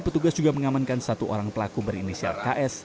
petugas juga mengamankan satu orang pelaku berinisial ks